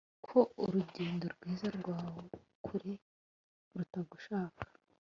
Ko urugendo rwiza rwa kure rutagushaka